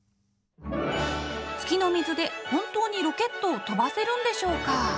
月の水で本当にロケットを飛ばせるんでしょうか？